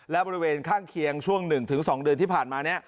และบริเวณข้างเคียงช่วง๑๒เดือนที่ผ่านมานี้